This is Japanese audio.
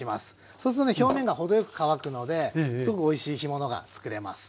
そうするとね表面が程よく乾くのですごくおいしい干物がつくれます。